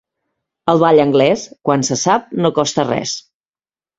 El ball anglès, quan se sap no costa res.